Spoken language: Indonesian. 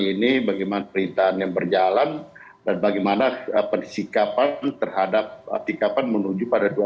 ini bagaimana perintahannya berjalan dan bagaimana persikapan terhadap persikapan menuju pada dua ribu dua puluh empat